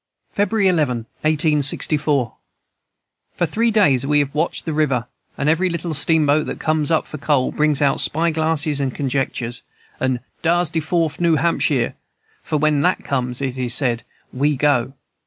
"February 11, 1864. "For three days we have watched the river, and every little steamboat that comes up for coal brings out spy glasses and conjectures, and 'Dar's de Fourf New Hampshire,' for when that comes, it is said, we go.